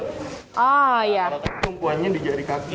kalau tadi tumpuannya di jari kaki